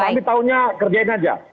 kami tahunya kerjain aja